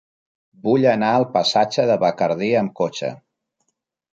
Vull anar al passatge de Bacardí amb cotxe.